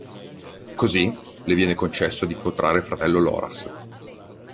Così, le viene concesso di incontrare il fratello Loras.